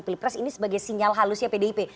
pilpres ini sebagai sinyal halusnya pdip